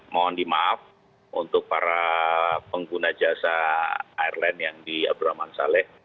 mohon dimaaf untuk para pengguna jasa airline yang di abdurrahman saleh